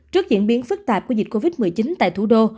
trước diễn biến phức tạp của dịch covid một mươi chín tại thủ đô